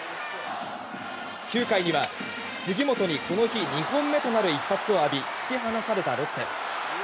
９回には杉本にこの日２本目となる一発を浴び突き放されたロッテ。